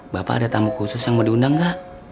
bapak ada tamu khusus yang mau diundang kak